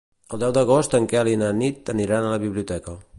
El deu d'agost en Quel i na Nit aniran a la biblioteca.